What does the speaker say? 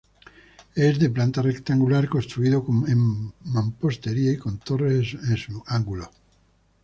Es de planta rectangular, construido en mampostería y con torres en sus ángulos.